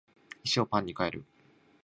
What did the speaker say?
石をパンに変える